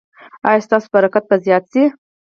ایا ستاسو برکت به زیات شي؟